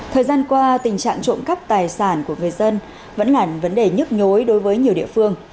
thời gian qua tình trạng trộm cắp tài sản của người dân vẫn là vấn đề nhức nhối đối với nhiều địa phương